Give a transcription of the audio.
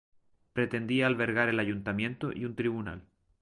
Pretendía albergar el ayuntamiento y un tribunal.